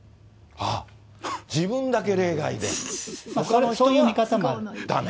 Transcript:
あっ、自分だけ例外で。